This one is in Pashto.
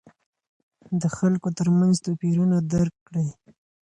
د خلکو ترمنځ توپیرونه درک کړئ.